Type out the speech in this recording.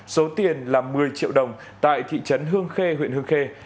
số tiền là một mươi triệu đồng tại thị trấn hương khê huyện hương khê